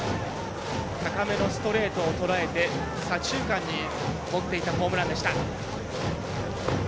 高めのストレートをとらえて左中間にもっていったホームランでした。